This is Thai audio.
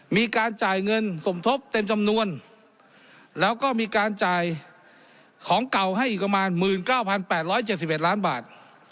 มีการจ่ายเงินสมทบเต็มจำนวนแล้วก็มีการจ่ายของเก่าให้อีกประมาณ๑๙๘๗๑ล้านบาท